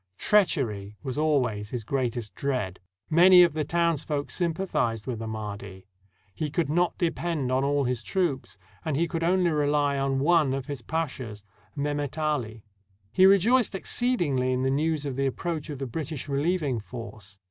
Treachery was always his greatest dread. Many of the townsfolk sym pathized with the Mahdi; he could not depend on all his troops, and he could only rely on one of his pashas, Mehemet Ali. He rejoiced exceedingly in the news of the approach of the British relieving force.